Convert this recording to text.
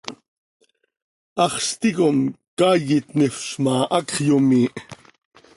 Haxz ticom caay itnifz ma, hacx yomiih.